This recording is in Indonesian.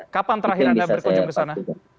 kapan terakhir anda berkunjung ke sana